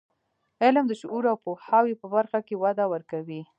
علم د شعور او پوهاوي په برخه کې وده ورکوي.